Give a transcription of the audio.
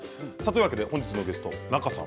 本日のゲスト仲さん